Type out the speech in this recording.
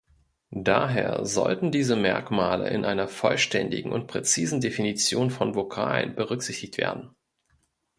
Daher sollten diese Merkmale in einer vollständigen und präzisen Definition von Vokalen berücksichtigt werden.